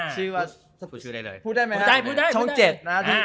ชื่อว่าช่อง๗นะครับ